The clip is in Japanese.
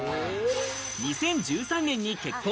２０１３年に結婚。